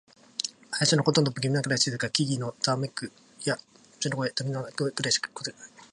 林のほとんどは不気味なくらい静か。木々のざわめきや、虫の音、鳥の鳴き声くらいしか聞こえない。